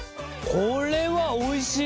これはおいしい。